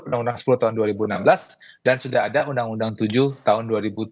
undang undang sepuluh tahun dua ribu enam belas dan sudah ada undang undang tujuh tahun dua ribu tujuh belas